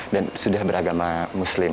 dan sudah beragama muslim